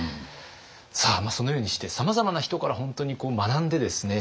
さあそのようにしてさまざまな人から本当に学んでですね